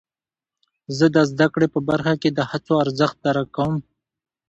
زه د زده کړې په برخه کې د هڅو ارزښت درک کوم.